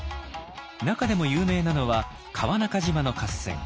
中でも有名なのは川中島の合戦。